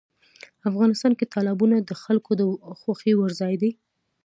افغانستان کې تالابونه د خلکو د خوښې وړ ځای دی.